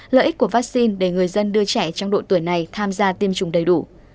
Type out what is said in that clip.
lợi ích của vaccine để người dân đưa trẻ trong độ tuổi này tham gia tiêm chủng đầy đủ